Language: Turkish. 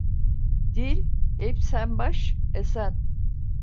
Dil ebsembaş esen.